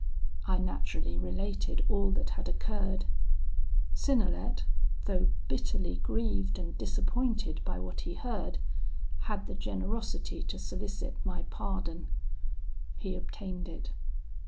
I naturally related all that had occurred. Synnelet, though bitterly grieved and disappointed by what he heard, had the generosity to solicit my pardon: he obtained it.